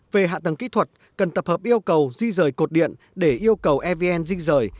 về hạ tầng kỹ thuật cần tập hợp yêu cầu di rời cột điện để yêu cầu evn di rời